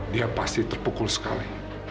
dia pasti terpukul sekali